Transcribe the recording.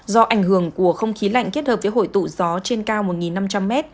do ảnh hưởng của không khí lạnh kết hợp với hội tụ gió trên cao một năm trăm linh m